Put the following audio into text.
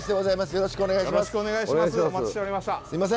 よろしくお願いします。